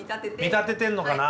見立ててんのかな。